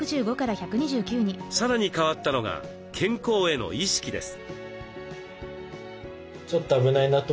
さらに変わったのが健康への意識です。